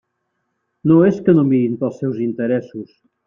No és que no mirin pels seus interessos.